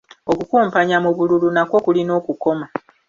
Okukumpanya mu bululu nakwo kulina okukoma.